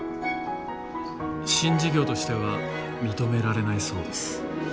新事業としては認められないそうです。